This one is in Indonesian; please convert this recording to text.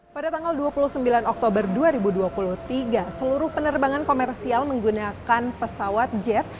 pada tanggal dua puluh sembilan oktober dua ribu dua puluh tiga seluruh penerbangan komersial menggunakan pesawat jet